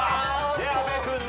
で阿部君ね。